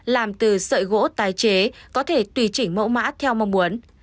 làm từ sợi gỗ tái chế có thể tùy chỉnh mẫu mã theo mong muốn